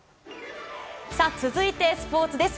続いてスポーツです。